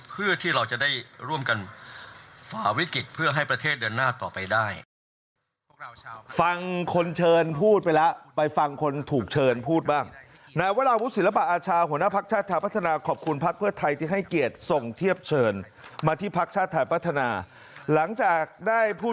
เพื่อที่เราจะได้ร่วมกันฝ่าวิกฤตเพื่อให้ประเทศเดินหน้าต่อไปได้